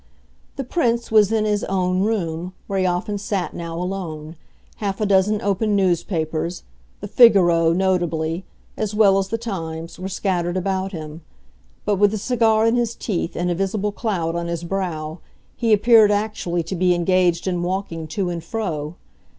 The Prince was in his "own" room, where he often sat now alone; half a dozen open newspapers, the "Figaro" notably, as well as the "Times," were scattered about him; but, with a cigar in his teeth and a visible cloud on his brow, he appeared actually to be engaged in walking to and fro.